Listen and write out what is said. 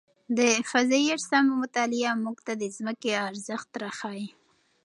د فضايي اجسامو مطالعه موږ ته د ځمکې ارزښت راښيي.